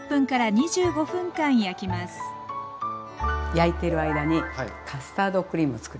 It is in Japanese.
焼いてる間にカスタードクリームをつくります。